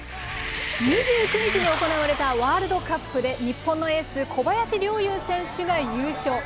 ２９日に行われたワールドカップで、日本のエース、小林陵侑選手が優勝。